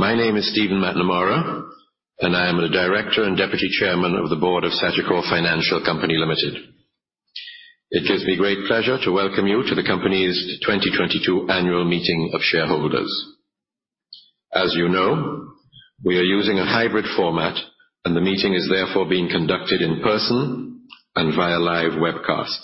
My name is Stephen McNamara, and I am a Director and Deputy Chairman of the Board of Sagicor Financial Company Ltd. It gives me great pleasure to welcome you to the company's 2022 Annual Meeting of Shareholders. As you know, we are using a hybrid format, and the meeting is therefore being conducted in person and via live webcast.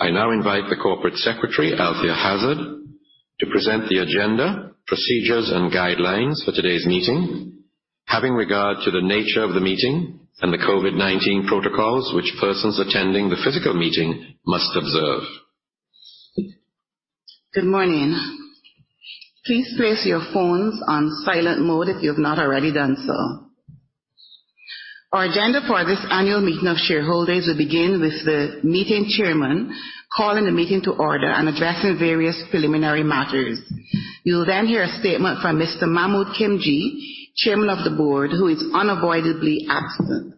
I now invite the Corporate Secretary, Althea Hazzard, to present the agenda, procedures and guidelines for today's meeting. Having regard to the nature of the meeting and the COVID-19 protocols which persons attending the physical meeting must observe. Good morning. Please place your phones on silent mode if you have not already done so. Our agenda for this Annual Meeting of Shareholders will begin with the meeting Chairman calling the meeting to order and addressing various preliminary matters. You'll then hear a statement from Mr. Mahmood Khimji, Chairman of the Board, who is unavoidably absent.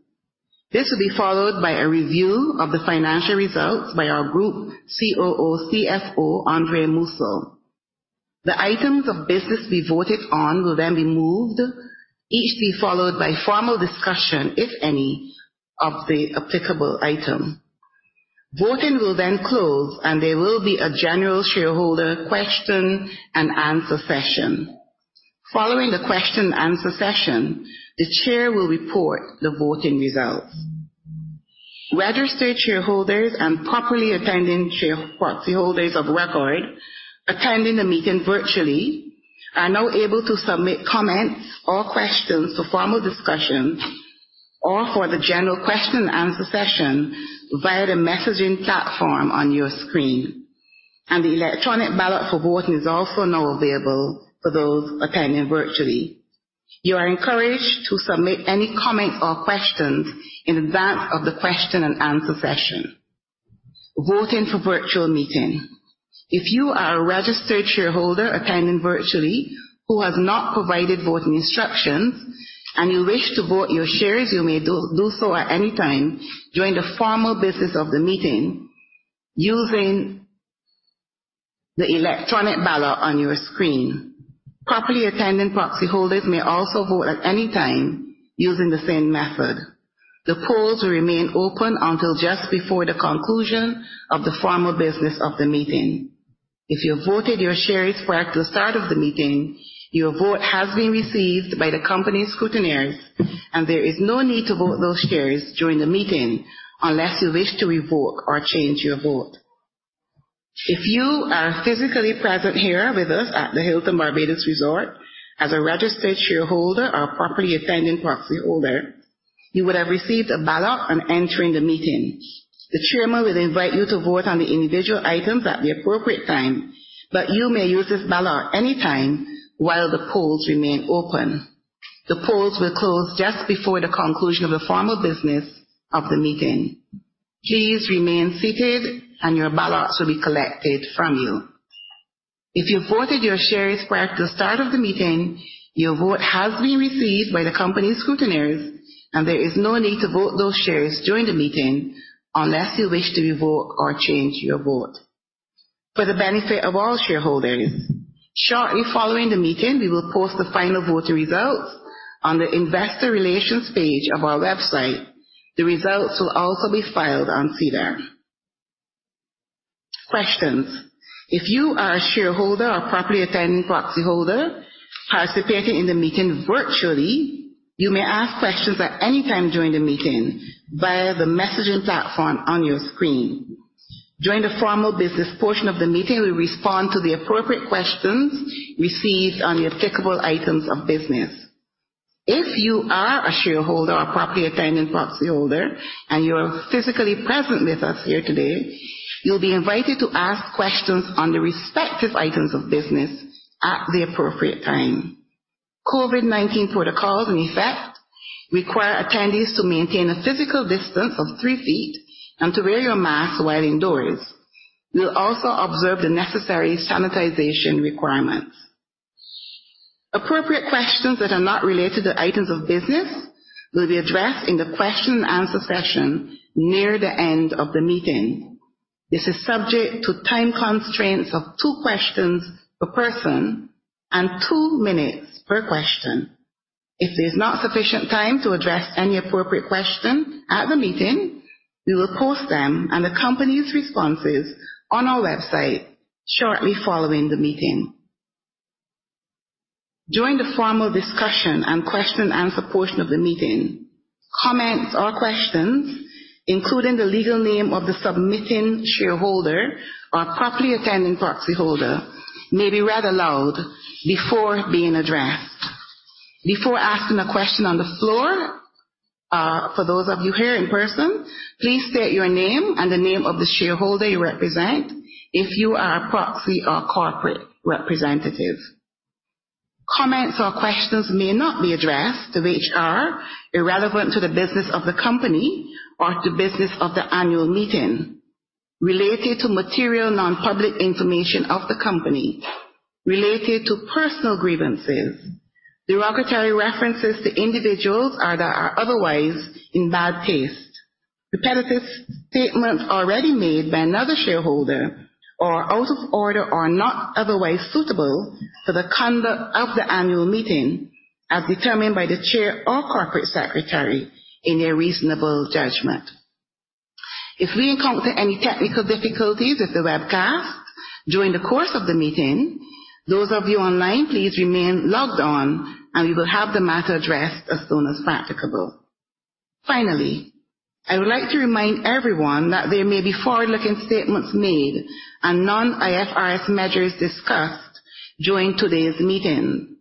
This will be followed by a review of the financial results by our Group COO, CFO, Andre Mousseau. The items of business to be voted on will then be moved, each be followed by formal discussion, if any, of the applicable item. Voting will then close, and there will be a general shareholder question and answer session. Following the question and answer session, the Chair will report the voting results. Registered shareholders and properly attending proxy holders of record attending the meeting virtually are now able to submit comments or questions for formal discussions or for the general question and answer session via the messaging platform on your screen. The electronic ballot for voting is also now available for those attending virtually. You are encouraged to submit any comment or questions in advance of the question and answer session. Voting for virtual meeting. If you are a registered shareholder attending virtually who has not provided voting instructions and you wish to vote your shares, you may do so at any time during the formal business of the meeting using the electronic ballot on your screen. Properly attending proxy holders may also vote at any time using the same method. The polls will remain open until just before the conclusion of the formal business of the meeting. If you voted your shares prior to the start of the meeting, your vote has been received by the company scrutineers, and there is no need to vote those shares during the meeting unless you wish to revoke or change your vote. If you are physically present here with us at the Hilton Barbados Resort as a registered shareholder or properly attending proxy holder, you would have received a ballot on entering the meeting. The chairman will invite you to vote on the individual items at the appropriate time, but you may use this ballot anytime while the polls remain open. The polls will close just before the conclusion of the formal business of the meeting. Please remain seated and your ballots will be collected from you. If you voted your shares prior to the start of the meeting, your vote has been received by the company scrutineers, and there is no need to vote those shares during the meeting unless you wish to revoke or change your vote. For the benefit of all shareholders, shortly following the meeting, we will post the final voter results on the Investor Relations page of our website. The results will also be filed on SEDAR+. Questions. If you are a shareholder or properly attending proxy holder participating in the meeting virtually, you may ask questions at any time during the meeting via the messaging platform on your screen. During the formal business portion of the meeting, we'll respond to the appropriate questions received on the applicable items of business. If you are a shareholder or properly attending proxy holder and you are physically present with us here today, you'll be invited to ask questions on the respective items of business at the appropriate time. COVID-19 protocols in effect require attendees to maintain a physical distance of three feet and to wear your mask while indoors. We'll also observe the necessary sanitization requirements. Appropriate questions that are not related to items of business will be addressed in the question and answer session near the end of the meeting. This is subject to time constraints of two questions per person and two minutes per question. If there's not sufficient time to address any appropriate question at the meeting, we will post them and the company's responses on our website shortly following the meeting. During the formal discussion and question and answer portion of the meeting, comments or questions, including the legal name of the submitting shareholder or properly attending proxy holder, may be read aloud before being addressed. Before asking a question on the floor, for those of you here in person, please state your name and the name of the shareholder you represent if you are a proxy or corporate representative. Comments or questions may not be addressed, which are irrelevant to the business of the company or to business of the annual meeting, related to material non-public information of the company, related to personal grievances, derogatory references to individuals or that are otherwise in bad taste. Repetitive statements already made by another shareholder or out of order are not otherwise suitable for the conduct of the annual meeting as determined by the Chair or Corporate Secretary in their reasonable judgment. If we encounter any technical difficulties with the webcast during the course of the meeting, those of you online, please remain logged on, and we will have the matter addressed as soon as practicable. Finally, I would like to remind everyone that there may be forward-looking statements made and non-IFRS measures discussed during today's meeting.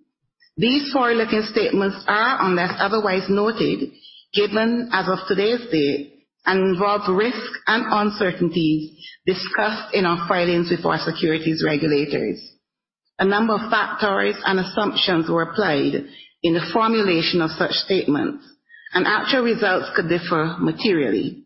These forward-looking statements are, unless otherwise noted, given as of today's date and involve risks and uncertainties discussed in our filings with our securities regulators. A number of factors and assumptions were applied in the formulation of such statements, and actual results could differ materially.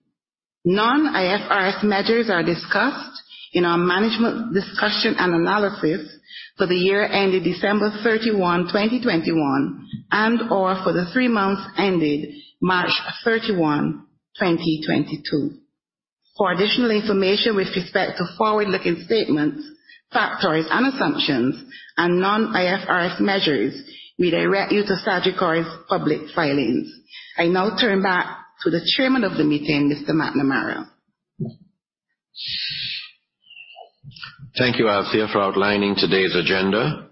Non-IFRS measures are discussed in our management discussion and analysis for the year ended December 31, 2021, and/or for the three months ended March 31, 2022. For additional information with respect to forward-looking statements, factors and assumptions, and non-IFRS measures, we direct you to Sagicor's public filings. I now turn back to the Chairman of the meeting, Mr. Stephen McNamara. Thank you, Althea, for outlining today's agenda,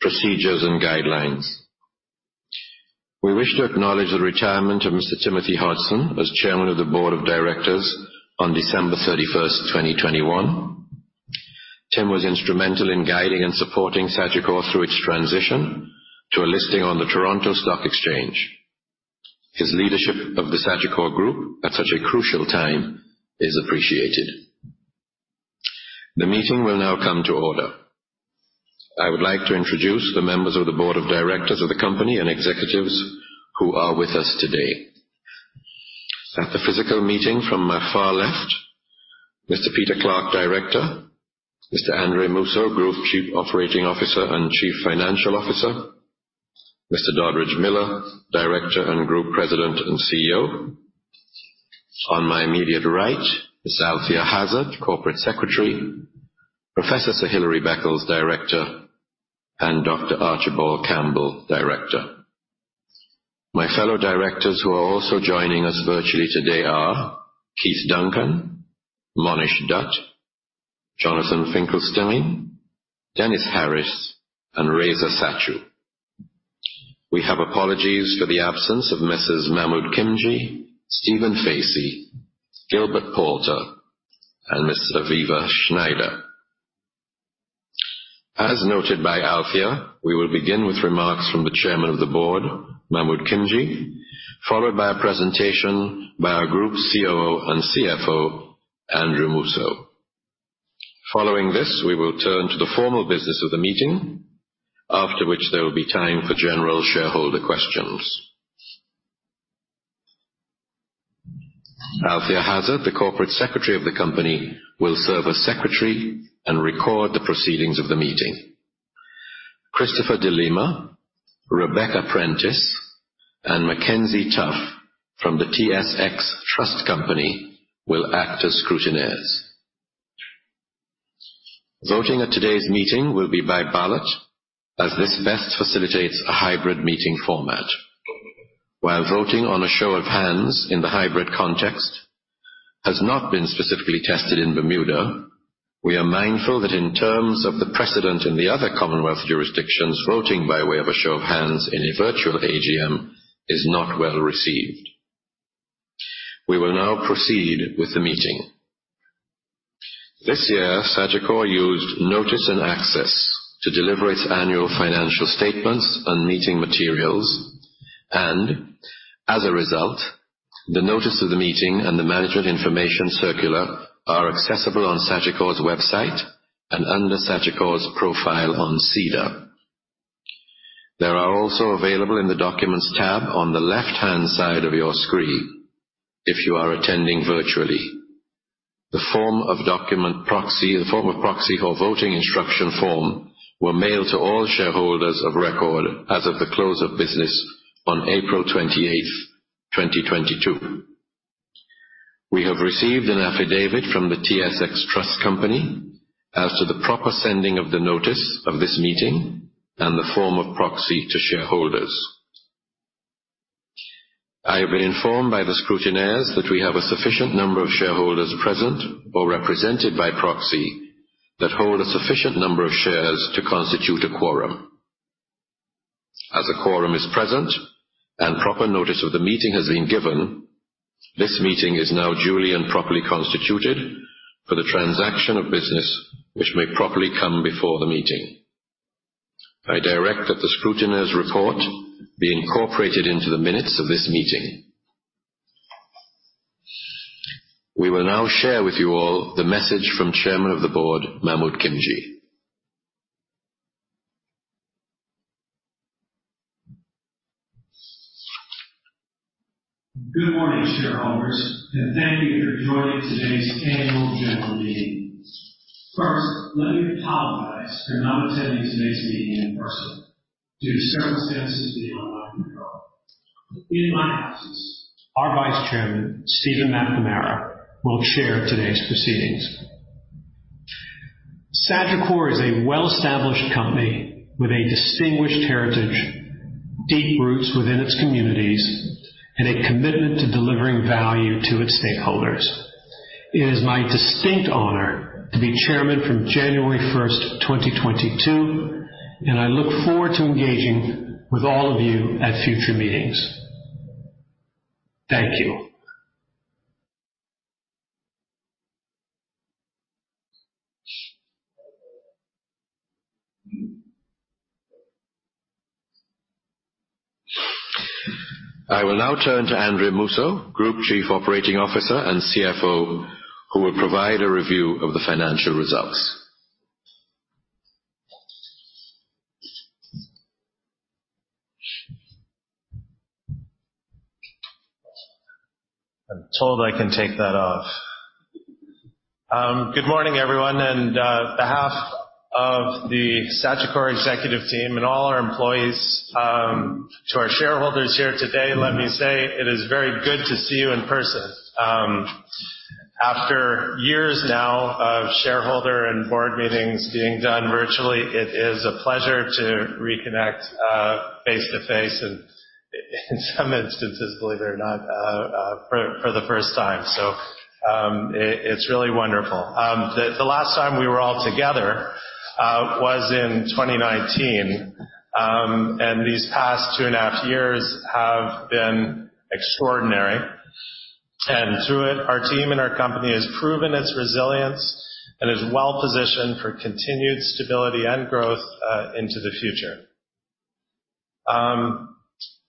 procedures, and guidelines. We wish to acknowledge the retirement of Mr. Timothy Hodgson as Chairman of the board of directors on December 31, 2021. Tim was instrumental in guiding and supporting Sagicor through its transition to a listing on the Toronto Stock Exchange. His leadership of the Sagicor group at such a crucial time is appreciated. The meeting will now come to order. I would like to introduce the members of the board of directors of the company and executives who are with us today. At the physical meeting from my far left, Mr. Peter Clarke, Director, Mr. Andre Mousseau, Group Chief Operating Officer and Chief Financial Officer, Mr. Dodridge Miller, Director and Group President and CEO. On my immediate right, Ms. Althea Hazzard, Corporate Secretary, Professor Sir Hilary Beckles, Director, and Dr. Archibald Campbell, Director. My fellow directors who are also joining us virtually today are Keith Duncan, Monish Dutt, Jonathan Finkelstein, Dennis Harris, and Reza Satchu. We have apologies for the absence of Messrs. Mahmood Khimji, Stephen Facey, Gilbert Palter, and Ms. Aviva Shneider. As noted by Althea, we will begin with remarks from the Chairman of the Board, Mahmood Khimji, followed by a presentation by our group COO and CFO, Andre Mousseau. Following this, we will turn to the formal business of the meeting, after which there will be time for general shareholder questions. Althea Hazzard, the Corporate Secretary of the company, will serve as secretary and record the proceedings of the meeting. Christopher de Lima, Rebecca Prentice, and Mackenzie Tough from the TSX Trust Company will act as scrutineers. Voting at today's meeting will be by ballot, as this best facilitates a hybrid meeting format. While voting on a show of hands in the hybrid context has not been specifically tested in Bermuda, we are mindful that in terms of the precedent in the other Commonwealth jurisdictions, voting by way of a show of hands in a virtual AGM is not well-received. We will now proceed with the meeting. This year, Sagicor used Notice and Access to deliver its annual financial statements and meeting materials. As a result, the notice of the meeting and the management information circular are accessible on Sagicor's website and under Sagicor's profile on SEDAR. They are also available in the Documents tab on the left-hand side of your screen if you are attending virtually. The form of proxy or voting instruction form were mailed to all shareholders of record as of the close of business on April 28, 2022. We have received an affidavit from the TSX Trust Company as to the proper sending of the notice of this meeting and the form of proxy to shareholders. I have been informed by the scrutineers that we have a sufficient number of shareholders present or represented by proxy that hold a sufficient number of shares to constitute a quorum. As a quorum is present and proper notice of the meeting has been given, this meeting is now duly and properly constituted for the transaction of business which may properly come before the meeting. I direct that the scrutineers' report be incorporated into the minutes of this meeting. We will now share with you a message from Chairman of the Board, Mahmood Khimji. Good morning, shareholders, and thank you for joining today's Annual General Meeting. First, let me apologize for not attending today's meeting in person. Due to circumstances beyond my control. In my absence, our Vice Chairman, Stephen McNamara, will chair today's proceedings. Sagicor is a well-established company with a distinguished heritage, deep roots within its communities, and a commitment to delivering value to its stakeholders. It is my distinct honor to be chairman from January 1st, 2022, and I look forward to engaging with all of you at future meetings. Thank you. I will now turn to Andre Mousseau, Group Chief Operating Officer and CFO, who will provide a review of the financial results. I'm told I can take that off. Good morning, everyone, and on behalf of the Sagicor Executive Team and all our employees, to our shareholders here today, let me say it is very good to see you in person. After years now of shareholder and board meetings being done virtually, it is a pleasure to reconnect face-to-face and in some instances, believe it or not, for the first time. It's really wonderful. The last time we were all together was in 2019. These past two and a half years have been extraordinary. Through it, our team and our company has proven its resilience and is well-positioned for continued stability and growth into the future.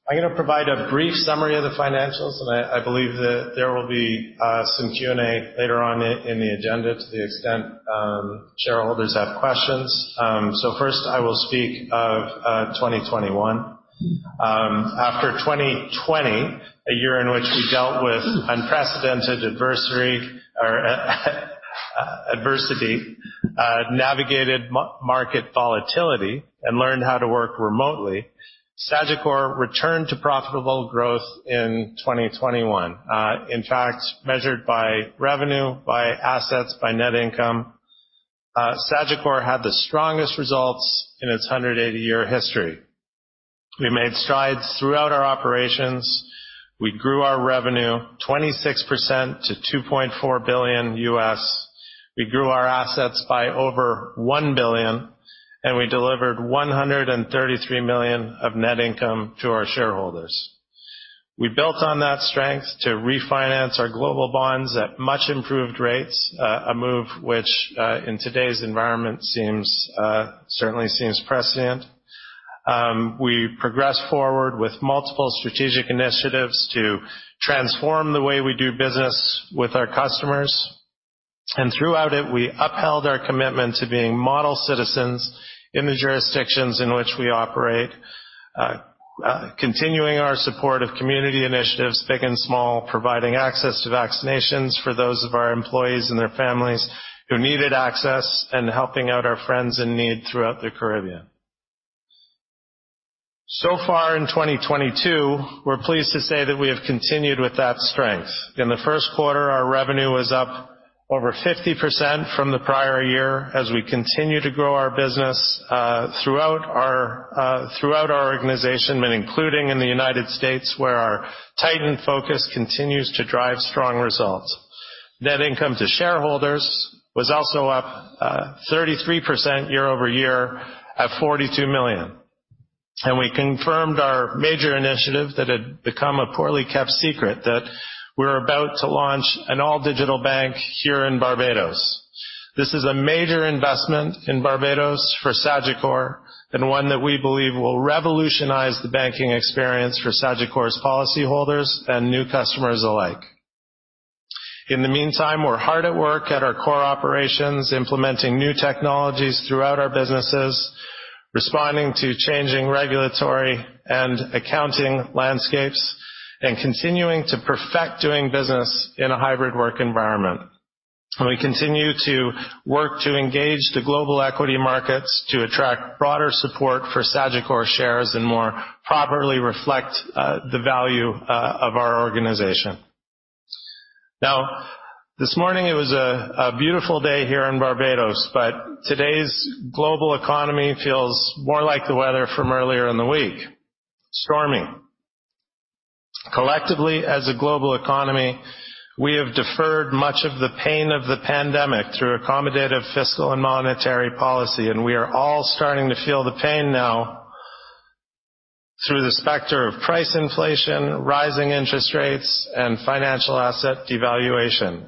I'm gonna provide a brief summary of the financials, and I believe that there will be some Q&A later on in the agenda to the extent shareholders have questions. First I will speak of 2021. After 2020, a year in which we dealt with unprecedented adversity, navigated market volatility and learned how to work remotely, Sagicor returned to profitable growth in 2021. In fact, measured by revenue, by assets, by net income, Sagicor had the strongest results in its 180-year history. We made strides throughout our operations. We grew our revenue 26% to $2.4 billion. We grew our assets by over $1 billion, and we delivered $133 million of net income to our shareholders. We built on that strength to refinance our global bonds at much improved rates, a move which, in today's environment, seems certainly prudent. We progressed forward with multiple strategic initiatives to transform the way we do business with our customers. Throughout it, we upheld our commitment to being model citizens in the jurisdictions in which we operate, continuing our support of community initiatives, big and small, providing access to vaccinations for those of our employees and their families who needed access, and helping out our friends in need throughout the Caribbean. So far in 2022, we're pleased to say that we have continued with that strength. In the first quarter, our revenue was up over 50% from the prior year as we continue to grow our business throughout our organization and including in the United States, where our tightened focus continues to drive strong results. Net income to shareholders was also up 33% year over year at $42 million. We confirmed our major initiative that had become a poorly kept secret that we're about to launch an all digital bank here in Barbados. This is a major investment in Barbados for Sagicor, and one that we believe will revolutionize the banking experience for Sagicor's policyholders and new customers alike. In the meantime, we're hard at work at our core operations, implementing new technologies throughout our businesses, responding to changing regulatory and accounting landscapes, and continuing to perfect doing business in a hybrid work environment. We continue to work to engage the global equity markets to attract broader support for Sagicor shares and more properly reflect the value of our organization. Now, this morning, it was a beautiful day here in Barbados, but today's global economy feels more like the weather from earlier in the week, stormy. Collectively, as a global economy, we have deferred much of the pain of the pandemic through accommodative fiscal and monetary policy, and we are all starting to feel the pain now through the specter of price inflation, rising interest rates, and financial asset devaluation.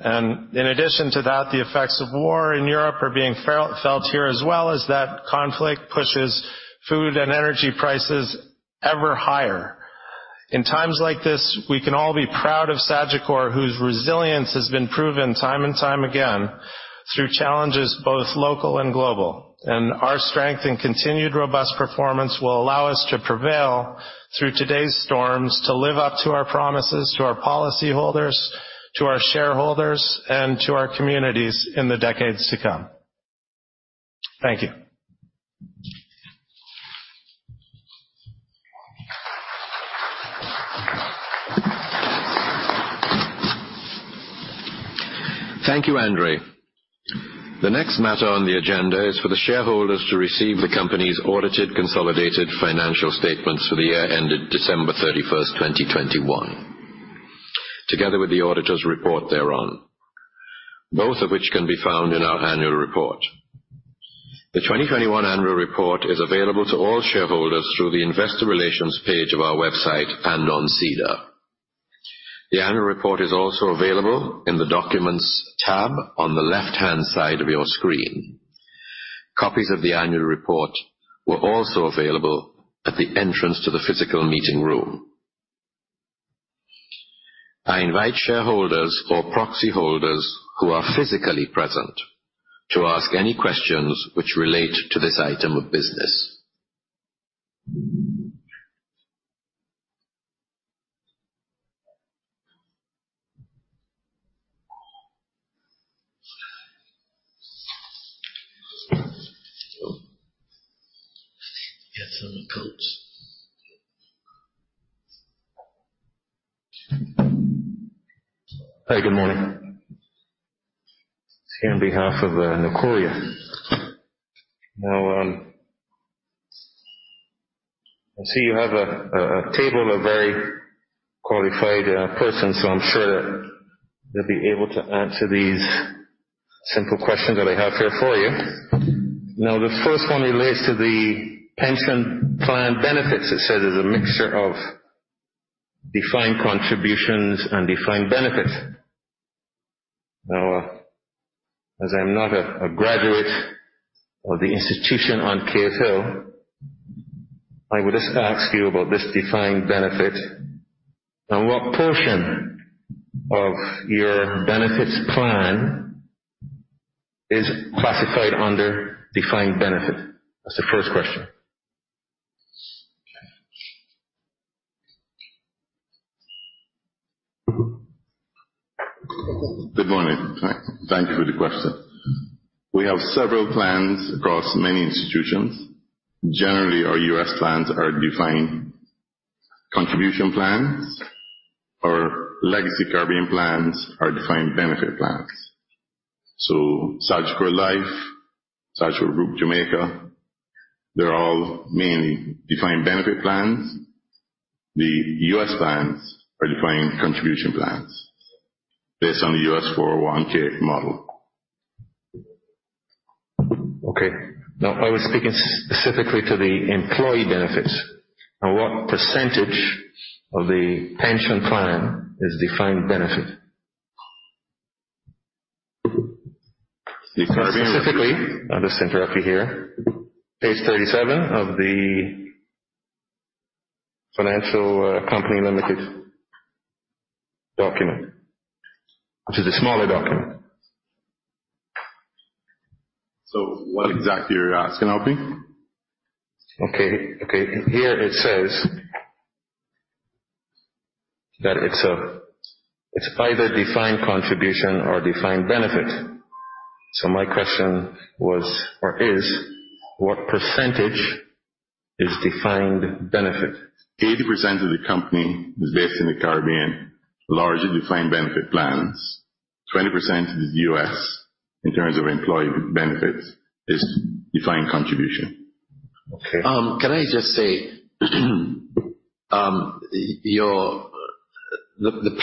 In addition to that, the effects of war in Europe are being felt here, as well as that conflict pushes food and energy prices ever higher. In times like this, we can all be proud of Sagicor, whose resilience has been proven time and time again through challenges both local and global. Our strength and continued robust performance will allow us to prevail through today's storms, to live up to our promises to our policyholders. To our shareholders and to our communities in the decades to come. Thank you. Thank you, Andre. The next matter on the agenda is for the shareholders to receive the company's audited consolidated financial statements for the year ended December 31st, 2021, together with the Auditor's Report thereon, both of which can be found in our annual report. The 2021 Annual Report is available to all shareholders through the Investor Relations page of our website and on SEDAR. The Annual Report is also available in the Documents tab on the left-hand side of your screen. Copies of the Annual Report were also available at the entrance to the physical meeting room. I invite shareholders or proxy holders who are physically present to ask any questions which relate to this item of business. Hi. Good morning. I'm here on behalf of. [inaudible] I see you have a table of very qualified persons, so I'm sure you'll be able to answer these simple questions that I have here for you. Now, the first one relates to the pension plan benefits. It said there's a mixture of defined contributions and defined benefits. Now, as I'm not a graduate of the institution you know so I would just ask you about this defined benefit. Now, what portion of your benefits plan is classified under defined benefit? That's the first question. Good morning. Thank you for the question. We have several plans across many institutions. Generally, our U.S. plans are defined contribution plans. Our legacy Caribbean plans are defined benefit plans. Sagicor Life, Sagicor Group Jamaica, they're all mainly defined benefit plans. The U.S. plans are defined contribution plans based on the U.S. 401(k) model. Okay. Now, I was speaking specifically to the employee benefits. Now, what percentage of the pension plan is defined benefit? The Caribbean Specifically, I'll just interrupt you here. Page 37 of the Sagicor Financial Company Limited document, which is a smaller document. What exactly are you asking of me? Okay. Here it says that it's either defined contribution or defined benefit. My question was or is: what percentage is defined benefit? 80% of the company is based in the Caribbean, largely defined benefit plans. 20% is U.S. in terms of employee benefits is defined contribution. Okay. Can I just say, the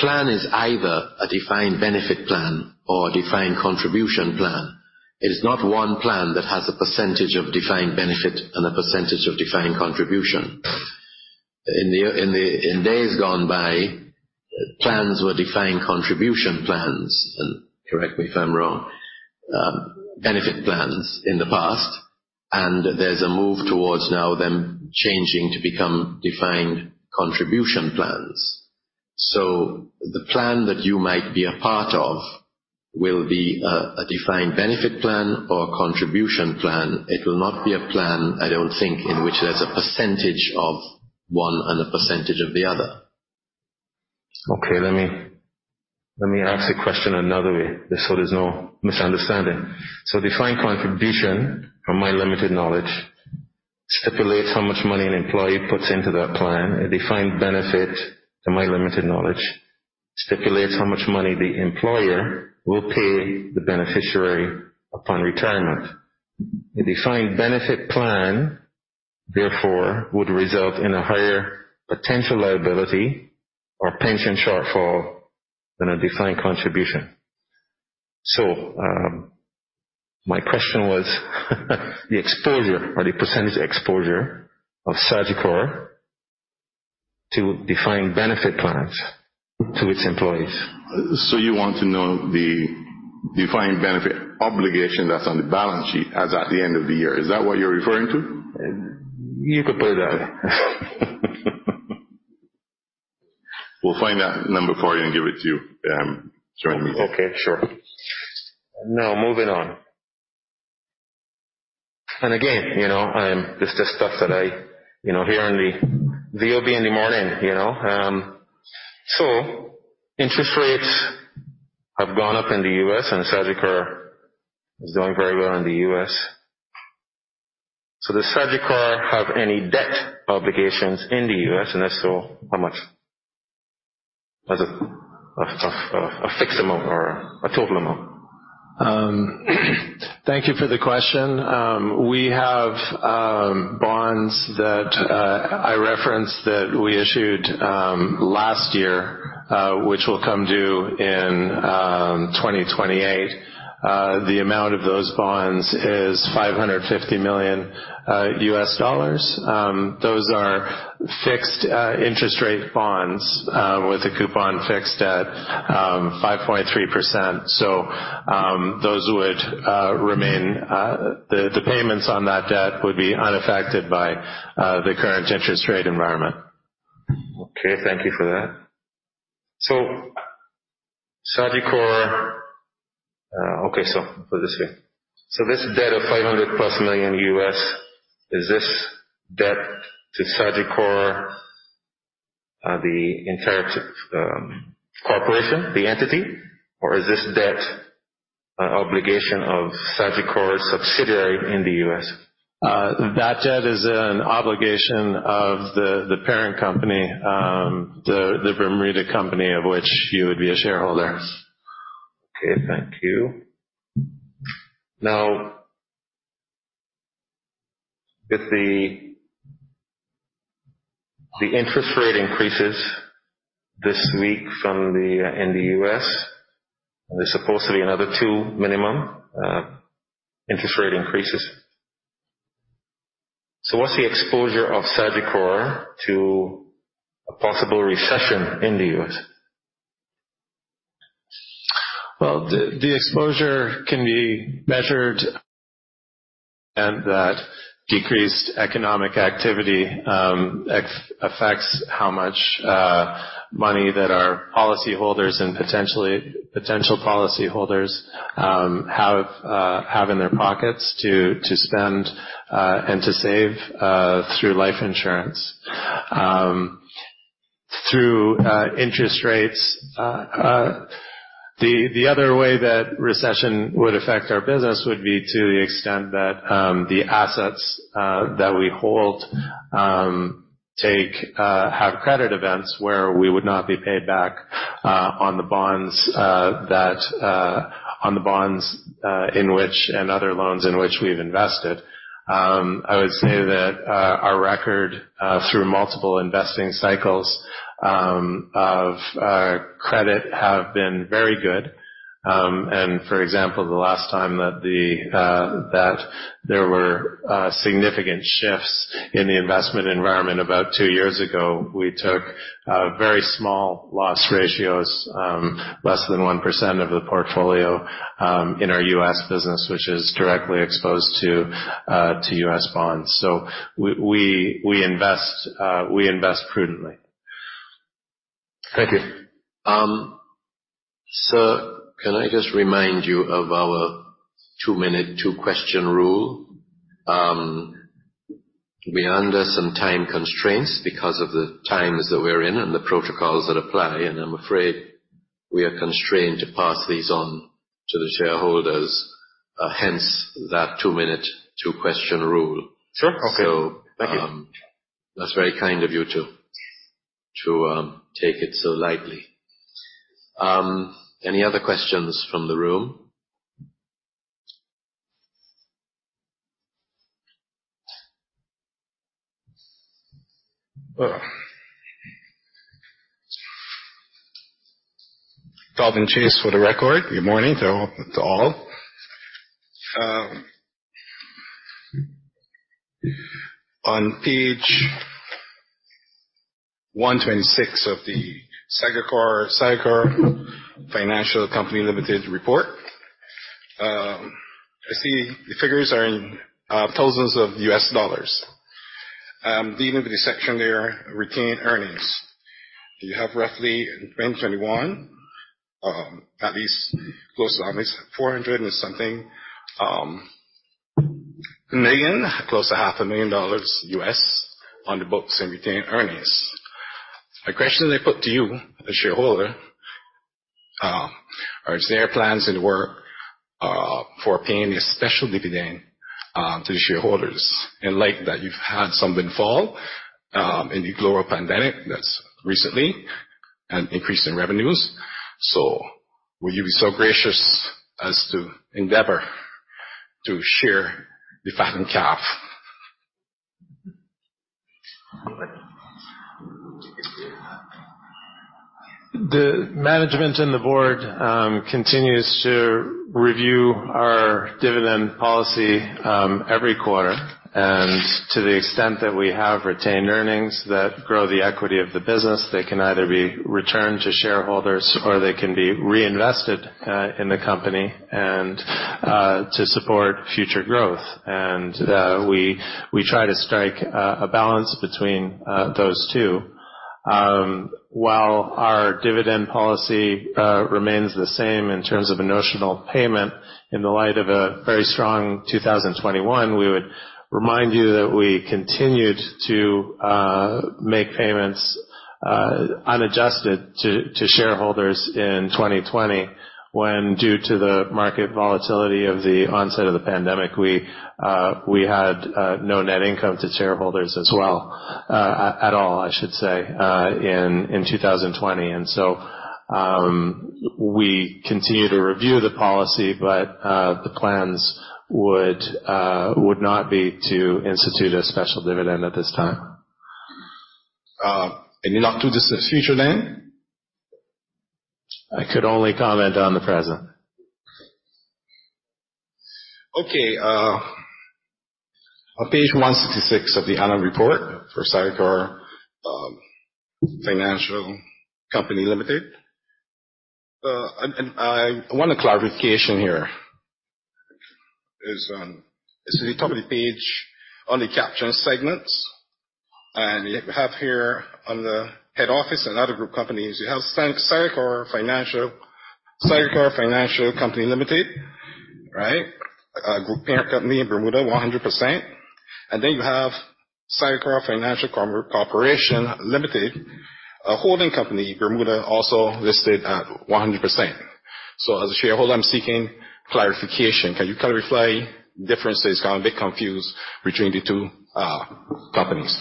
plan is either a defined benefit plan or a defined contribution plan. It is not one plan that has a percentage of defined benefit and a percentage of defined contribution. In days gone by, plans were defined contribution plans, and correct me if I'm wrong, defined benefit plans in the past, and there's a move towards now them changing to become defined contribution plans. The plan that you might be a part of will be a defined benefit plan or a defined contribution plan. It will not be a plan, I don't think, in which there's a percentage of one and a percentage of the other. Okay. Let me ask the question another way just so there's no misunderstanding. Defined contribution, from my limited knowledge, stipulates how much money an employee puts into that plan. A defined benefit, to my limited knowledge, stipulates how much money the employer will pay the beneficiary upon retirement. A defined benefit plan, therefore, would result in a higher potential liability or pension shortfall than a defined contribution. My question was the exposure or the percentage exposure of Sagicor to defined benefit plans to its employees. You want to know the defined benefit obligation that's on the balance sheet as at the end of the year. Is that what you're referring to? You could put it that way. We'll find that number for you and give it to you, shortly. Okay, sure. Now, moving on. Again, you know, this is stuff that I, you know, hear in the VOB in the morning, you know. Interest rates have gone up in the U.S. and Sagicor is doing very well in the U.S. Does Sagicor have any debt obligations in the U.S.? If so, how much? As a fixed amount or a total amount? Thank you for the question. We have bonds that I referenced that we issued last year, which will come due in 2028. The amount of those bonds is $550 million. Those are fixed interest rate bonds with a coupon fixed at 5.3%. Those would remain, the payments on that debt would be unaffected by the current interest rate environment. Thank you for that. This debt of $500+ million, is this debt to Sagicor, the entire corporation, the entity, or is this debt an obligation of Sagicor's subsidiary in the U.S.? That debt is an obligation of the parent company. The Bermuda company of which you would be a shareholder. Okay. Thank you. Now, with the interest rate increases this week from the, in the U.S., and there's supposedly another two minimum interest rate increases. What's the exposure of Sagicor to a possible recession in the U.S.? The exposure can be measured and that decreased economic activity affects how much money that our policy holders and potential policy holders have in their pockets to spend and to save through life insurance. Through interest rates. The other way that recession would affect our business would be to the extent that the assets that we hold have credit events where we would not be paid back on the bonds in which and other loans in which we've invested. I would say that our record through multiple investing cycles of our credit have been very good. For example, the last time that there were significant shifts in the investment environment about two years ago, we took very small loss ratios, less than 1% of the portfolio, in our U.S. business, which is directly exposed to U.S. bonds. We invest prudently. Thank you. Sir, can I just remind you of our two-minute two-question rule? We're under some time constraints because of the times that we're in and the protocols that apply, and I'm afraid we are constrained to pass these on to the shareholders, hence that two-minute two-question rule. Sure. Okay. So, um- Thank you. That's very kind of you to take it so lightly. Any other questions from the room? Calvin Chase, for the record. Good morning to all. On page 126 of the Sagicor Financial Company Ltd. report, I see the figures are in thousands of US dollars. Digging into the section there, retained earnings. You have roughly, in 2021, at least close to $400-something million, close to $500,000 dollars on the books in retained earnings. My question I put to you as shareholder, are there plans in the works for paying a special dividend to the shareholders? In light of the fact that you've had some windfall in the global pandemic that's resulted in an increase in revenues. Will you be so gracious as to endeavor to share the fattened calf? The management and the board continues to review our dividend policy every quarter. To the extent that we have retained earnings that grow the equity of the business, they can either be returned to shareholders or they can be reinvested in the company and to support future growth. We try to strike a balance between those two. While our dividend policy remains the same in terms of a notional payment, in the light of a very strong 2021, we would remind you that we continued to make payments unadjusted to shareholders in 2020 when, due to the market volatility of the onset of the pandemic, we had no net income to shareholders as well at all, I should say, in 2020. We continue to review the policy, but the plans would not be to institute a special dividend at this time. You're not doing this in the future then? I could only comment on the present. Okay. On page 166 of the Annual Report for Sagicor Financial Company Limited, I want a clarification here. It's at the top of the page on the caption segments. You have here on the head office and other group companies, you have Sagicor Financial Company Ltd., right? A group parent company in Bermuda, 100%. Then you have Sagicor Financial Corporation Limited, a holding company, Bermuda, also listed at 100%. So as a shareholder, I'm seeking clarification. Can you clarify differences? Got a bit confused between the two companies.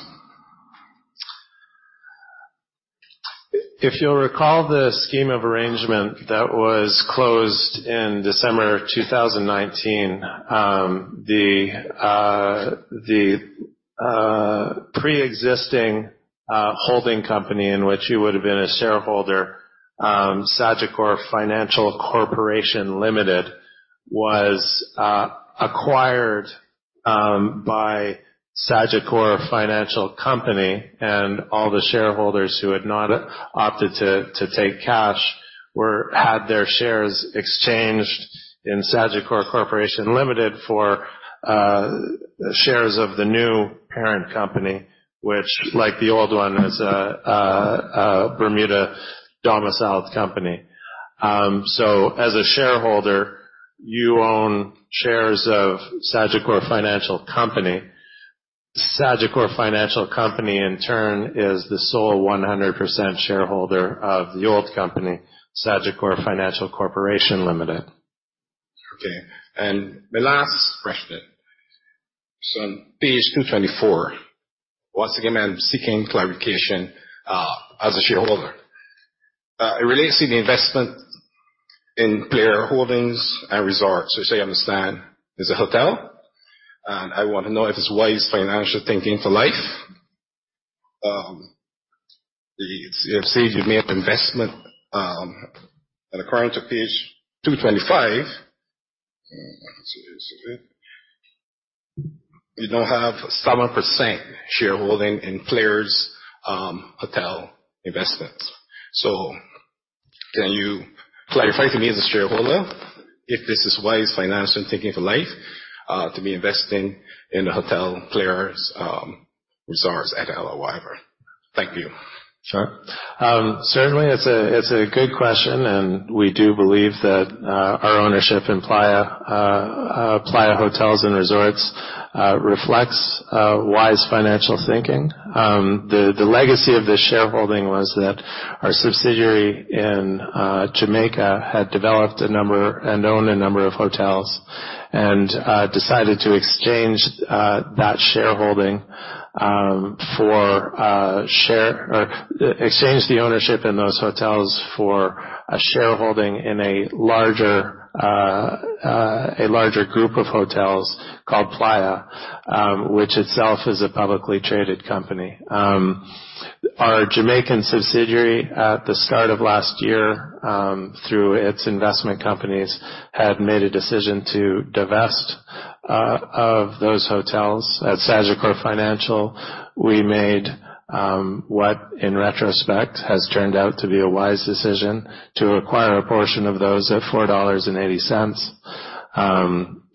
If you'll recall the scheme of arrangement that was closed in December 2019, the pre-existing holding company in which you would have been a shareholder, Sagicor Financial Corporation Limited, was acquired by Sagicor Financial Company. All the shareholders who had not opted to take cash had their shares exchanged in Sagicor Financial Corporation Limited for shares of the new parent company, which, like the old one, is a Bermuda domiciled company. As a shareholder, you own shares of Sagicor Financial Company. Sagicor Financial Company, in turn, is the sole 100% shareholder of the old company, Sagicor Financial Corporation Limited. Okay. My last question. On page 224, once again, I'm seeking clarification as a shareholder. It relates to the investment in Playa Hotels & Resorts, which I understand is a hotel. I want to know if it's wise financial thinking for Life. It says you made investment, and according to page 225. Let me see this a bit. You now have 7% shareholding in Playa's hotel investments. Can you clarify to me as a shareholder if this is wise financial thinking for Life to be investing in the hotel Playa's Resorts et al or whatever? Thank you. Sure. Certainly it's a good question, and we do believe that our ownership in Playa Hotels & Resorts reflects wise financial thinking. The legacy of this shareholding was that our subsidiary in Jamaica had developed a number and owned a number of hotels and decided to exchange that shareholding or exchange the ownership in those hotels for a shareholding in a larger group of hotels called Playa, which itself is a publicly traded company. Our Jamaican subsidiary at the start of last year, through its investment companies, had made a decision to divest of those hotels. At Sagicor Financial, we made what in retrospect has turned out to be a wise decision to acquire a portion of those at $4.80.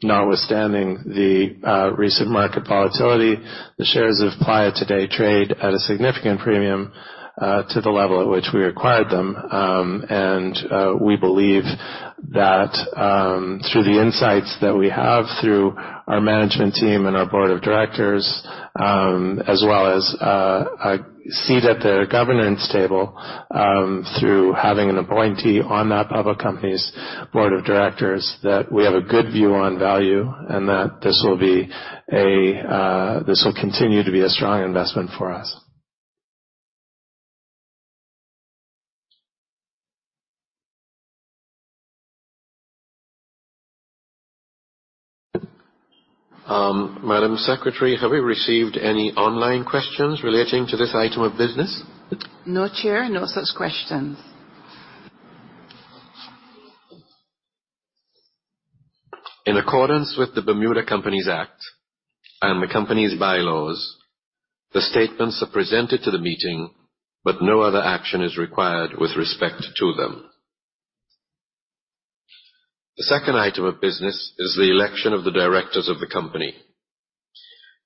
Notwithstanding the recent market volatility, the shares of Playa today trade at a significant premium to the level at which we acquired them. We believe that through the insights that we have through our management team and our board of directors, as well as a seat at the governance table through having an appointee on that public company's board of directors, that we have a good view on value and that this will continue to be a strong investment for us. Madam Secretary, have we received any online questions relating to this item of business? No, Chair. No such questions. In accordance with the Bermuda Companies Act and the company's bylaws, the statements are presented to the meeting, but no other action is required with respect to them. The second item of business is the election of the directors of the company.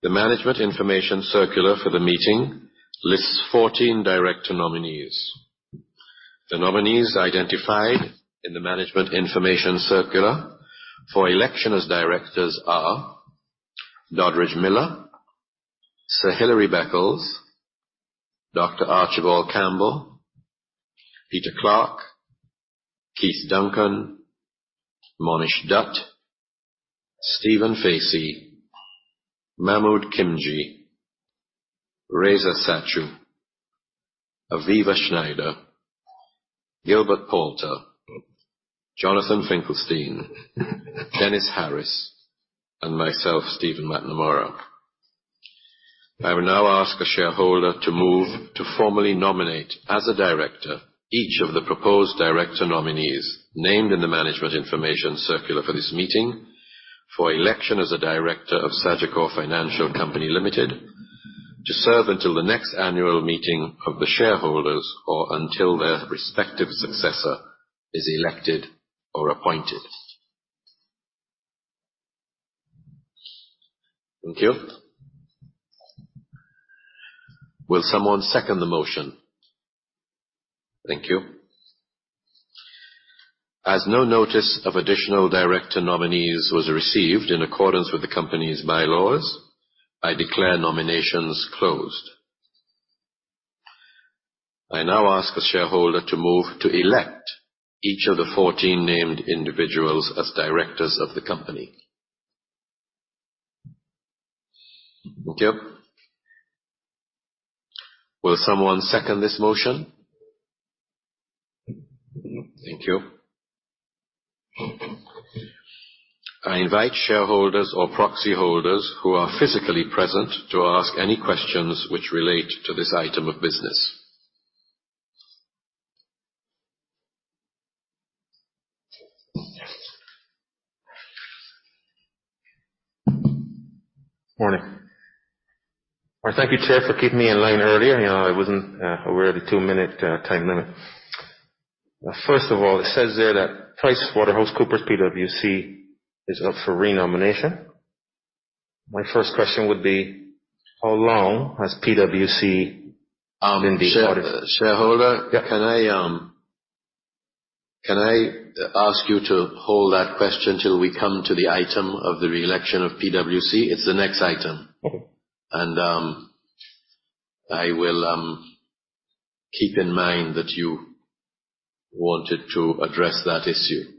The management information circular for the meeting lists 14 director nominees. The nominees identified in the management information circular for election as directors are Dodridge Miller, Sir Hilary Beckles, Dr. Archibald Campbell, Peter Clarke, Keith Duncan, Monish Dutt, Stephen Facey, Mahmood Khimji, Reza Satchu, Aviva Shneider, Gilbert Palter, Jonathan Finkelstein, Dennis Harris, and myself, Stephen McNamara. I will now ask a shareholder to move to formally nominate as a director, each of the proposed director nominees named in the management information circular for this meeting for election as a director of Sagicor Financial Company Limited to serve until the next Annual Meeting of the Shareholders or until their respective successor is elected or appointed. Thank you. Will someone second the motion? Thank you. As no notice of additional director nominees was received in accordance with the company's bylaws, I declare nominations closed. I now ask a shareholder to move to elect each of the 14 named individuals as directors of the company. Thank you. Will someone second this motion? Thank you. I invite shareholders or proxy holders who are physically present to ask any questions which relate to this item of business. Morning. Well, thank you, Chair, for keeping me in line earlier. You know, I wasn't aware of the two-minute time limit. First of all, it says there that PricewaterhouseCoopers, PwC, is up for re-nomination. My first question would be, how long has PwC been the- Share-shareholder? Yeah. Can I ask you to hold that question till we come to the item of the re-election of PwC? It's the next item. Okay. I will keep in mind that you wanted to address that issue.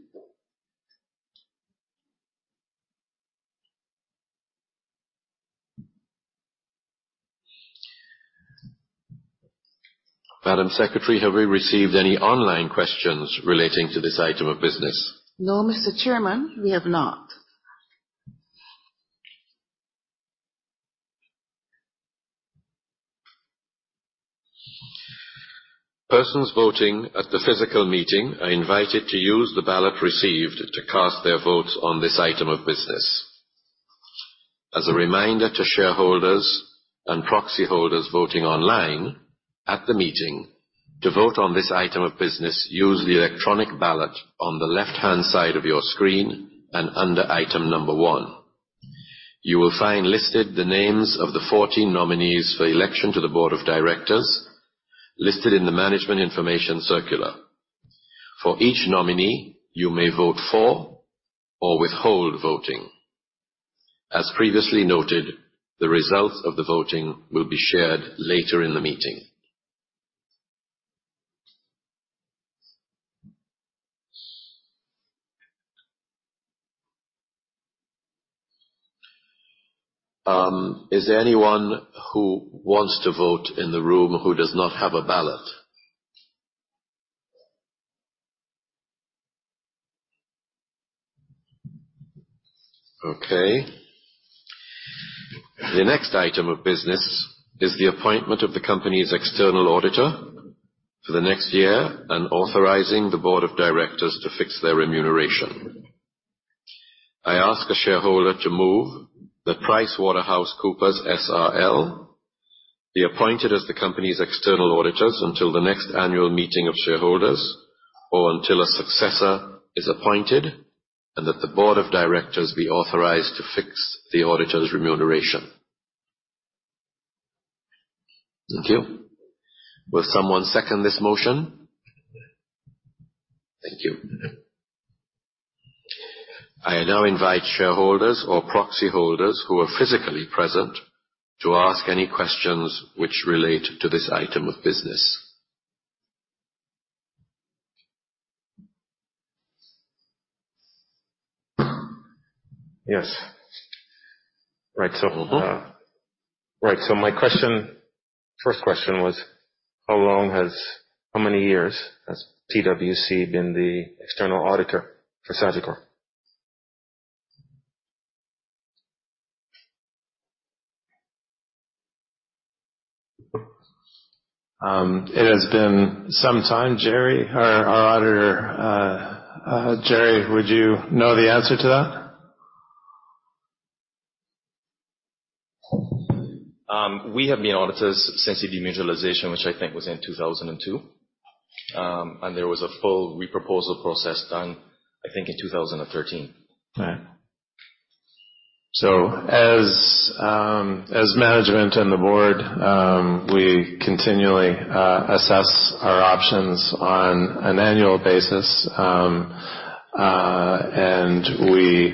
Madam Secretary, have we received any online questions relating to this item of business? No, Mr. Chairman, we have not. Persons voting at the physical meeting are invited to use the ballot received to cast their votes on this item of business. As a reminder to shareholders and proxy holders voting online at the meeting, to vote on this item of business, use the electronic ballot on the left-hand side of your screen and under item number one. You will find listed the names of the 14 nominees for election to the board of directors listed in the management information circular. For each nominee, you may vote for or withhold voting. As previously noted, the results of the voting will be shared later in the meeting. Is there anyone who wants to vote in the room who does not have a ballot? Okay. The next item of business is the appointment of the company's external auditor for the next year and authorizing the board of directors to fix their remuneration. I ask a shareholder to move that PricewaterhouseCoopers be appointed as the company's external auditors until the next Annual Meeting of Shareholders or until a successor is appointed, and that the Board of Directors be authorized to fix the auditor's remuneration. Thank you. Will someone second this motion? Thank you. I now invite shareholders or proxy holders who are physically present to ask any questions which relate to this item of business. Yes. Right. Mm-hmm. Right. My question, first question was how many years has PwC been the external auditor for Sagicor? It has been some time. Jerry, our auditor, would you know the answer to that? We have been auditors since the demutualization, which I think was in 2002. There was a full re-proposal process done, I think, in 2013. Right. As management and the board, we continually assess our options on an annual basis, and we,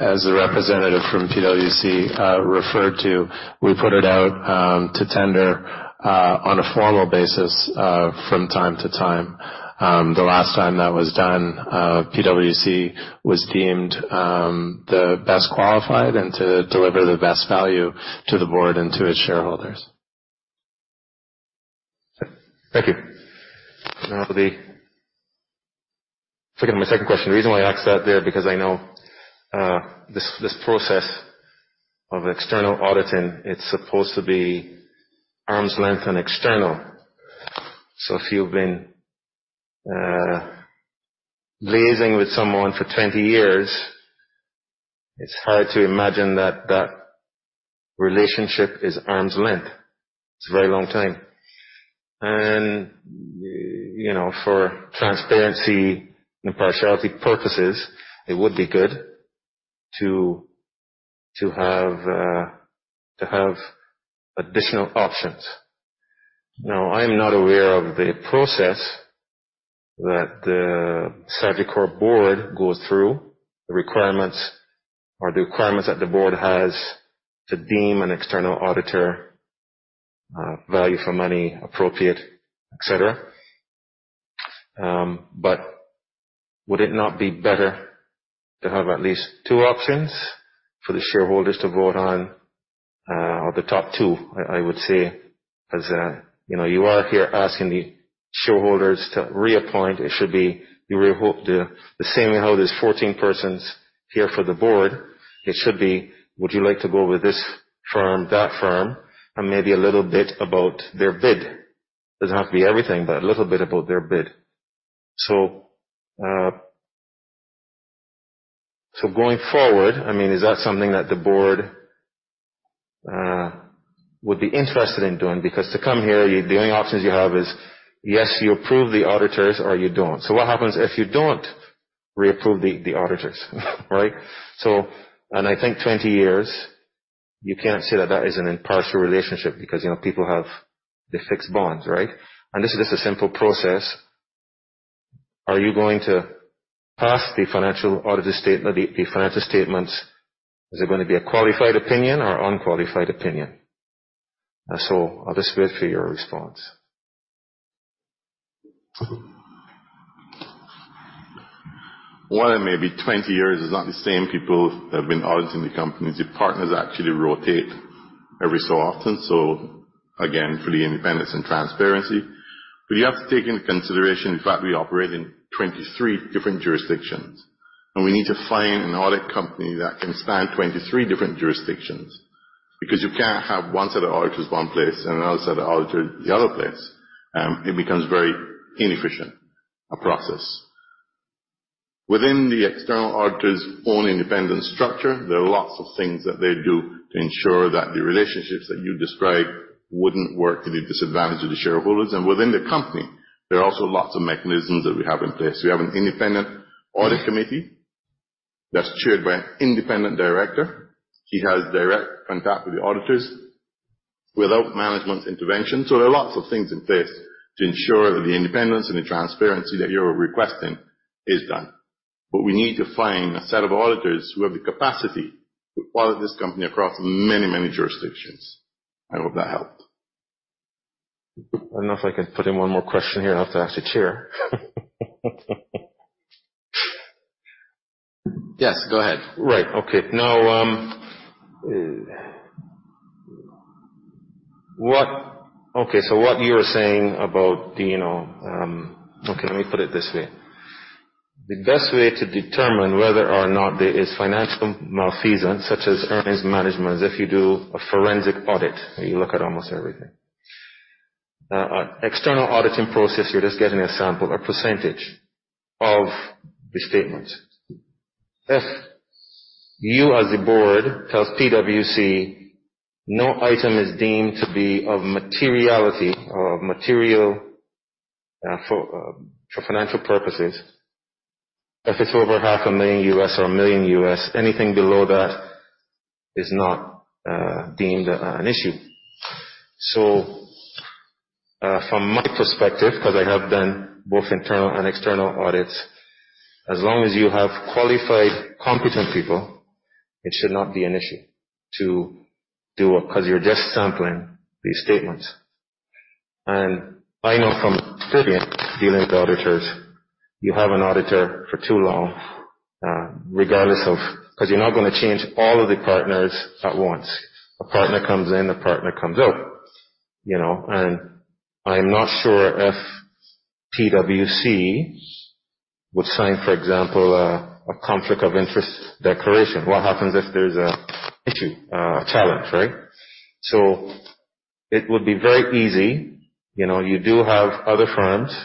as a representative from PwC referred to, we put it out to tender on a formal basis from time to time. The last time that was done, PwC was deemed the best qualified and to deliver the best value to the board and to its shareholders. Thank you. Now the second, my second question. The reason why I asked that there, because I know, this process of external auditing, it's supposed to be arm's length and external. If you've been liaising with someone for 20 years, it's hard to imagine that that relationship is arm's length. It's a very long time. You know, for transparency and impartiality purposes, it would be good to have additional options. Now, I'm not aware of the process that the Sagicor board goes through, the requirements that the board has to deem an external auditor value for money appropriate, etc. Would it not be better to have at least two options for the shareholders to vote on, or the top two, I would say. You know, you are here asking the shareholders to reappoint. It should be the same how there's 14 persons here for the board. It should be, would you like to go with this firm, that firm, and maybe a little bit about their bid. It doesn't have to be everything, but a little bit about their bid. Going forward, I mean, is that something that the board would be interested in doing? Because to come here, the only options you have is yes, you approve the auditors or you don't. What happens if you don't reapprove the auditors, right? I think 20 years, you can't say that that is an impartial relationship because, you know, people have the fixed bonds, right? This is just a simple process. Are you going to pass the financial statements? Is it gonna be a qualified opinion or unqualified opinion? I'll just wait for your response. One, it may be 20 years, it's not the same people that have been auditing the company. The partners actually rotate every so often. So again, full independence and transparency. You have to take into consideration the fact we operate in 23 different jurisdictions, and we need to find an audit company that can span 23 different jurisdictions. Because you can't have one set of auditors one place and another set of auditors the other place. It becomes very inefficient process. Within the external auditor's own independent structure, there are lots of things that they do to ensure that the relationships that you described wouldn't work to the disadvantage of the shareholders. Within the company, there are also lots of mechanisms that we have in place. We have an independent audit committee that's chaired by an independent director. He has direct contact with the auditors without management intervention. There are lots of things in place to ensure that the independence and the transparency that you're requesting is done. We need to find a set of auditors who have the capacity to audit this company across many, many jurisdictions. I hope that helped. I don't know if I can put in one more question here. I'll have to ask the chair. Yes, go ahead. Okay, so what you're saying about the, you know, let me put it this way. The best way to determine whether or not there is financial malfeasance, such as earnings management, is if you do a forensic audit, and you look at almost everything. External auditing process, you're just getting a sample, a percentage of the statement. If you, as the board, tells PwC no item is deemed to be of materiality or of material for financial purposes, if it's over $500,000 or $1 million, anything below that is not deemed an issue. From my perspective, 'cause I have done both internal and external audits, as long as you have qualified, competent people, it should not be an issue to do it, 'cause you're just sampling these statements. I know from experience dealing with auditors, you have an auditor for too long, regardless of. 'Cause you're not gonna change all of the partners at once. A partner comes in, a partner comes out. You know, and I'm not sure if PwC would sign, for example, a conflict of interest declaration. What happens if there's an issue, a challenge, right? So it would be very easy. You know, you do have other firms,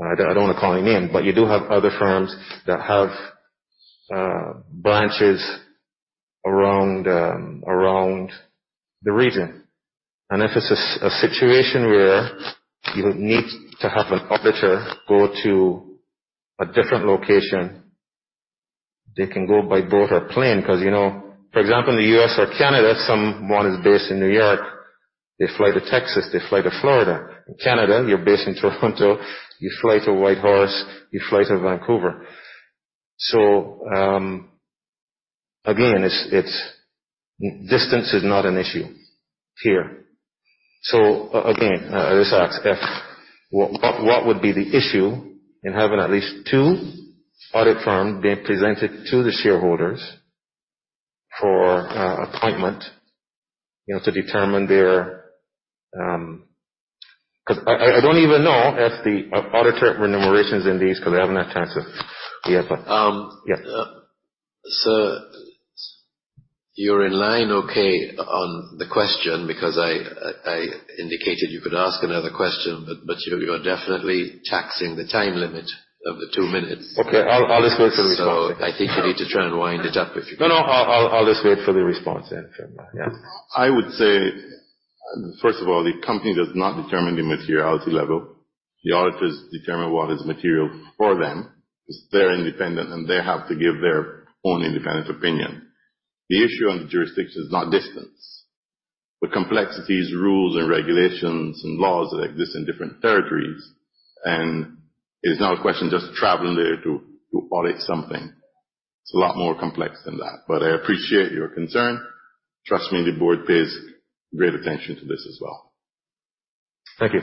I don't want to call any name, but you do have other firms that have branches around the region. If it's a situation where you need to have an auditor go to a different location, they can go by boat or plane. Because, you know, for example, in the U.S. or Canada, someone is based in New York, they fly to Texas, they fly to Florida. In Canada, you're based in Toronto, you fly to Whitehorse, you fly to Vancouver. Again, it's distance is not an issue here. Again, I just ask if what would be the issue in having at least two audit firms being presented to the shareholders for appointment, you know, to determine their. Because I don't even know if the auditor remuneration is in these because I haven't had time to read them. Yeah. Sir, you're in line okay on the question because I indicated you could ask another question, but you are definitely taxing the time limit of the two minutes. Okay. I'll just wait for the response. I think you need to try and wind it up if you can. No, no, I'll just wait for the response then. Yeah. I would say, first of all, the company does not determine the materiality level. The auditors determine what is material for them because they're independent, and they have to give their own independent opinion. The issue on the jurisdiction is not distance, but complexities, rules and regulations and laws that exist in different territories. It is not a question just traveling there to audit something. It's a lot more complex than that. I appreciate your concern. Trust me, the board pays great attention to this as well. Thank you.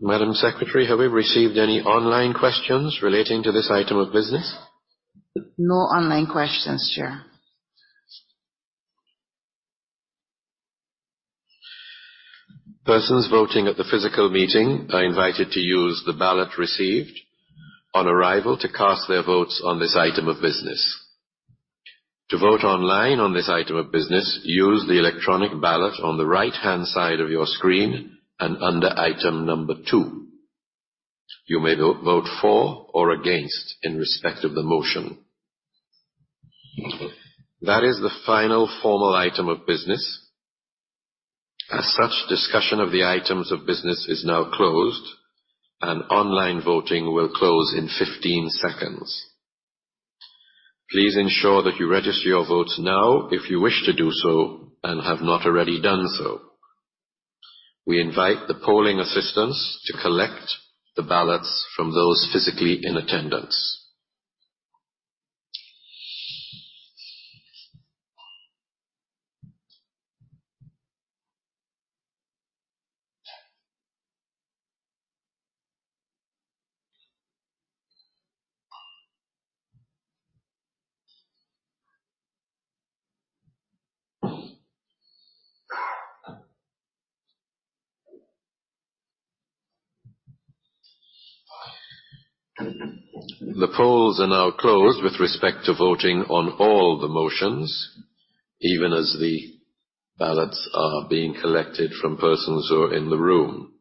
Madam Secretary, have we received any online questions relating to this item of business? No online questions, Chair. Persons voting at the physical meeting are invited to use the ballot received on arrival to cast their votes on this item of business. To vote online on this item of business, use the electronic ballot on the right-hand side of your screen and under item number two. You may vote for or against in respect of the motion. That is the final formal item of business. As such, discussion of the items of business is now closed, and online voting will close in 15 seconds. Please ensure that you register your votes now if you wish to do so and have not already done so. We invite the polling assistants to collect the ballots from those physically in attendance. The polls are now closed with respect to voting on all the motions, even as the ballots are being collected from persons who are in the room.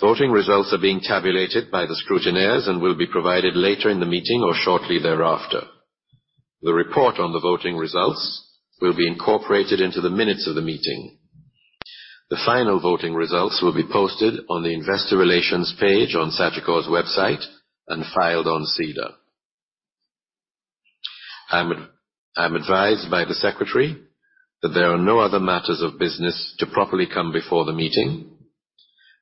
Voting results are being tabulated by the scrutineers and will be provided later in the meeting or shortly thereafter. The report on the voting results will be incorporated into the minutes of the meeting. The final voting results will be posted on the Investor Relations page on Sagicor's website and filed on SEDAR. I'm advised by the Secretary that there are no other matters of business to properly come before the meeting.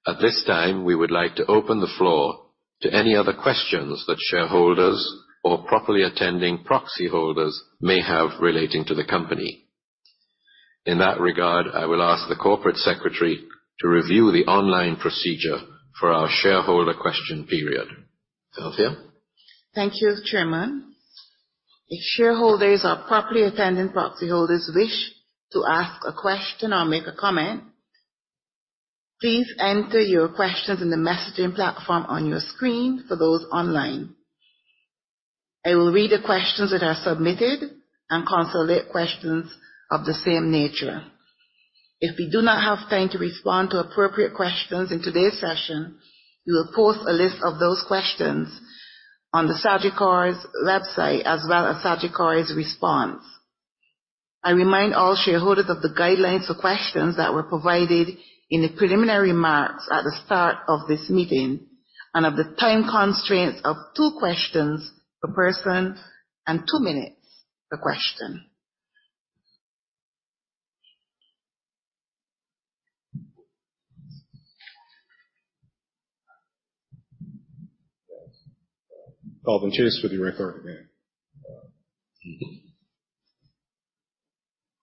At this time, we would like to open the floor to any other questions that shareholders or properly attending proxy holders may have relating to the company. In that regard, I will ask the Corporate Secretary to review the online procedure for our shareholder question period. Althea. Thank you, Chairman. If shareholders or properly attending proxy holders wish to ask a question or make a comment, please enter your questions in the messaging platform on your screen for those online. I will read the questions that are submitted and consolidate questions of the same nature. If we do not have time to respond to appropriate questions in today's session, we will post a list of those questions on the Sagicor's website as well as Sagicor's response. I remind all shareholders of the guidelines for questions that were provided in the preliminary remarks at the start of this meeting and of the time constraints of two questions per person and two minutes per question. Calvin Chase with you right there again.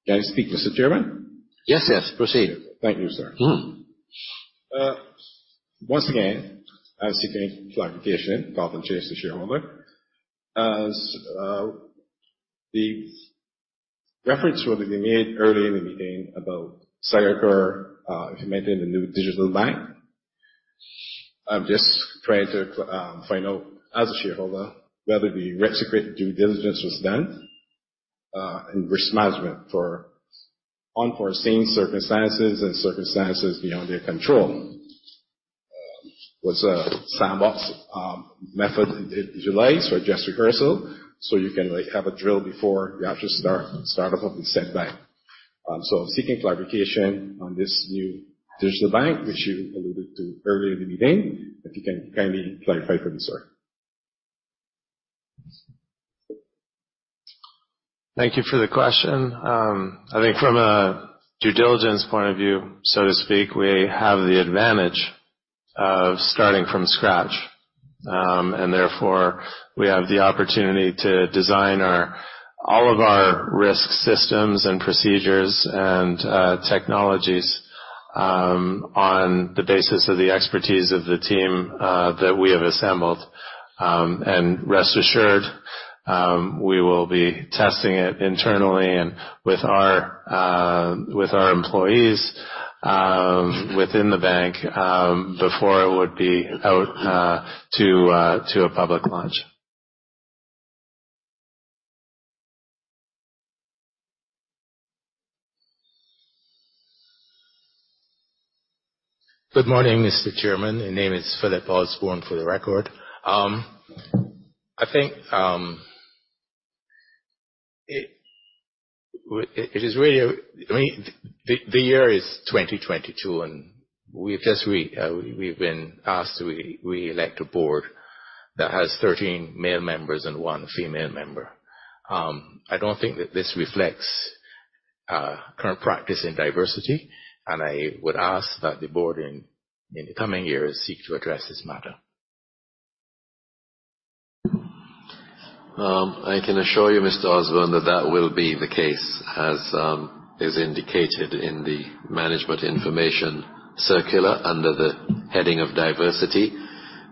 Can I speak, Mr. Chairman? Yes, yes, proceed. Thank you, sir. Mm-hmm. Once again, I'm seeking clarification. Calvin Chase, the shareholder. As, the reference was made earlier in the meeting about Sagicor, implementing the new digital bank. I'm just trying to find out as a shareholder whether the retrograde due diligence was done in risk management for unforeseen circumstances and circumstances beyond their control. Was a sandbox method in July, so a dress rehearsal, so you can like have a drill before you actually start up of the said bank. I'm seeking clarification on this new digital bank which you alluded to earlier in the beginning, if you can kindly clarify for me, sir. Thank you for the question. I think from a due diligence point of view, so to speak, we have the advantage of starting from scratch. Therefore, we have the opportunity to design all of our risk systems and procedures and technologies on the basis of the expertise of the team that we have assembled. Rest assured, we will be testing it internally and with our employees within the bank before it would be out to a public launch. Good morning, Mr. Chairman. The name is Philip Osborne for the record. I think it is really. I mean, the year is 2022 and we've just we've been asked we elect a board that has 13 male members and one female member. I don't think that this reflects current practice in diversity, and I would ask that the board in the coming years seek to address this matter. I can assure you, Mr. Osborne, that that will be the case as is indicated in the management information circular under the heading of diversity.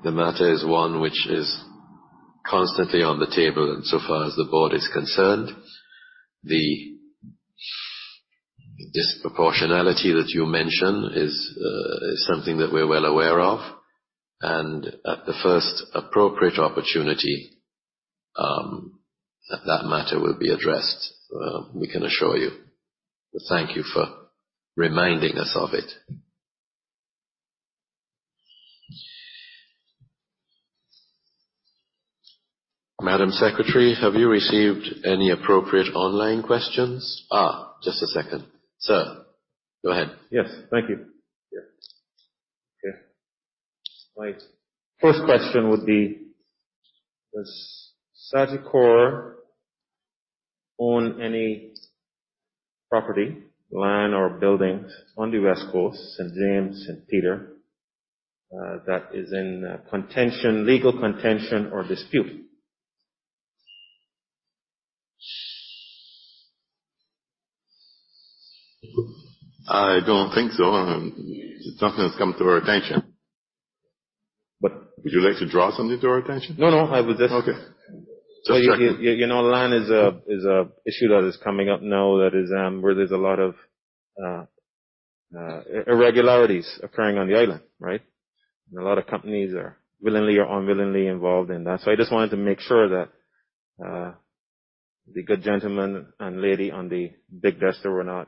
The matter is one which is constantly on the table and so far as the board is concerned. The disproportionality that you mention is something that we're well aware of, and at the first appropriate opportunity, that matter will be addressed, we can assure you. Thank you for reminding us of it. Madam Secretary, have you received any appropriate online questions? Just a second. Sir, go ahead. Yes. Thank you. Yeah. Okay. My first question would be, does Sagicor own any property, land or buildings on the West Coast, St. James, St. Peter, that is in legal contention or dispute? I don't think so. It's nothing that's come to our attention. But- Would you like to draw something to our attention? No, no. I was just. Okay. You know, land is an issue that is coming up now that is where there's a lot of irregularities occurring on the island, right? A lot of companies are willingly or unwillingly involved in that. I just wanted to make sure that the good gentleman and lady on the big desk there were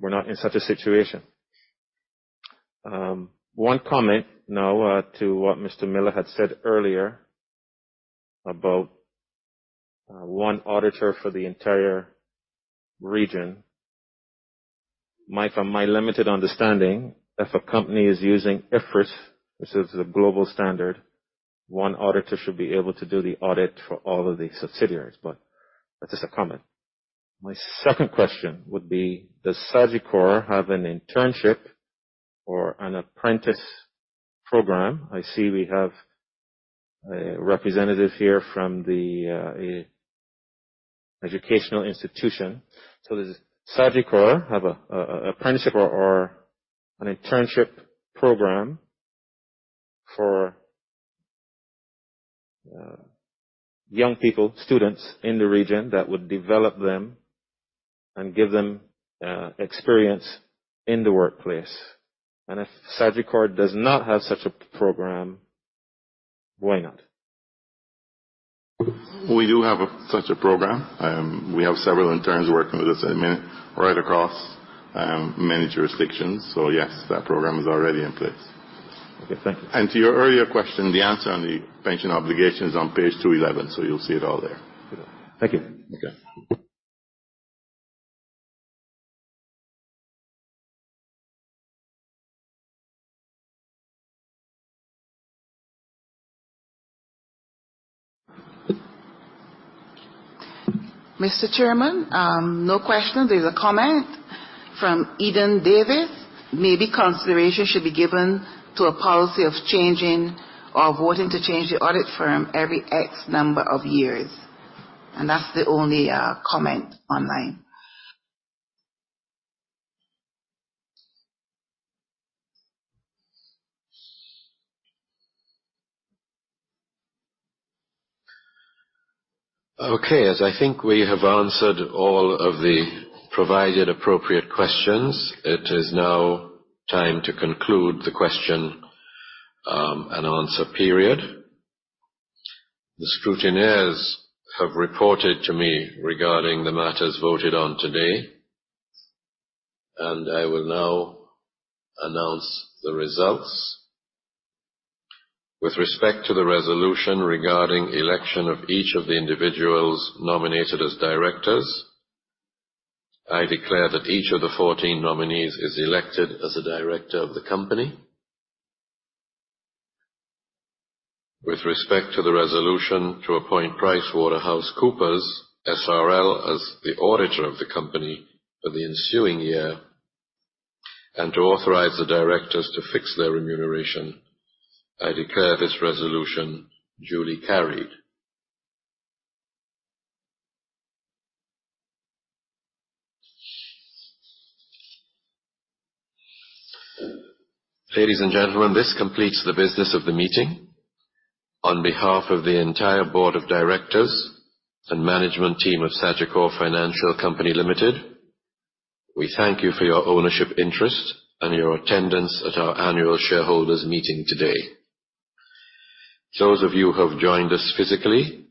not in such a situation. One comment now to what Mr. Miller had said earlier about one auditor for the entire region. From my limited understanding, if a company is using IFRS, which is the global standard, one auditor should be able to do the audit for all of the subsidiaries, but that's just a comment. My second question would be, does Sagicor have an internship or an apprentice program? I see we have a representative here from the educational institution. Does Sagicor have an apprenticeship or an internship program for young people, students in the region that would develop them and give them experience in the workplace? If Sagicor does not have such a program, why not? We do have such a program. We have several interns working with us at the minute right across many jurisdictions. Yes, that program is already in place. Okay. Thank you. To your earlier question, the answer on the pension obligation is on page 211, so you'll see it all there. Thank you. Okay. Mr. Chairman, no question. There's a comment from Eden Davis. Maybe consideration should be given to a policy of changing or voting to change the audit firm every X number of years. That's the only comment online. Okay. As I think we have answered all of the provided appropriate questions, it is now time to conclude the question and answer period. The scrutineers have reported to me regarding the matters voted on today, and I will now announce the results. With respect to the resolution regarding election of each of the individuals nominated as directors, I declare that each of the 14 nominees is elected as a director of the company. With respect to the resolution to appoint PricewaterhouseCoopers as the auditor of the company for the ensuing year, and to authorize the directors to fix their remuneration, I declare this resolution duly carried. Ladies and gentlemen, this completes the business of the meeting. On behalf of the entire Board of Directors and management team of Sagicor Financial Company Limited, we thank you for your ownership interest and your attendance at our Annual Shareholders Meeting today. Those of you who have joined us physically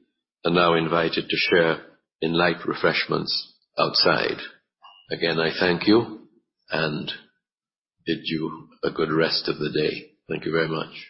are now invited to share in light refreshments outside. Again, I thank you and bid you a good rest of the day. Thank you very much.